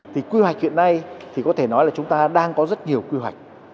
thì quy hoạch hiện nay thì có thể nói là chúng ta đang có rất nhiều quy hoạch